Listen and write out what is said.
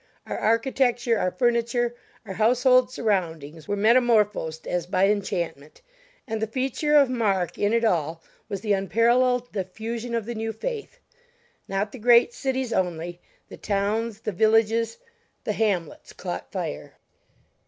Our architecture, our furniture, our household surroundings were metamorphosed as by enchantment. And the feature of mark in it all was the unparalleled diffusion of the new faith. Not the great cities only; the towns, the villages, the hamlets, caught fire.